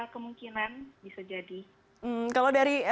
kemungkinan bisa jadi